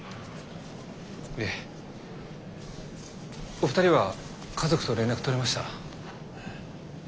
お二人は家族と連絡取れました？